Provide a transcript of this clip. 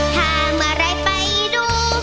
ถ้าเมื่อไหร่ไปดู